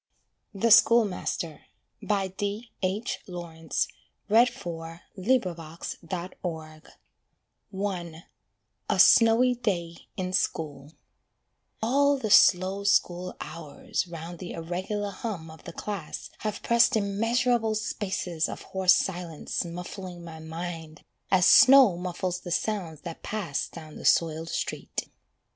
can Part wi' thee. Master, I'm givin' thee summat. THE SCHOOLMASTER I =A Snowy Day in School= All the slow school hours, round the irregular hum of the class, Have pressed immeasurable spaces of hoarse silence Muffling my mind, as snow muffles the sounds that pass Down the soiled street.